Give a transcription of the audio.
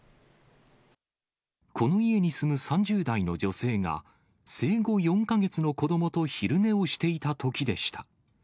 この家に住む３０代の女性が、生後４か月の子どもと昼寝をしていたときでした。